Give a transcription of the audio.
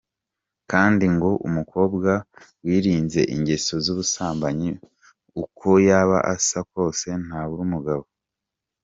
Kandi ngo umukobwa wirinze ingeso z’ubusambanyi uko yaba asa kose ntabura umugabo.